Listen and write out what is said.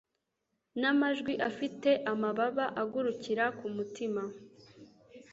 N'amajwi afite amababa agurukira ku mutima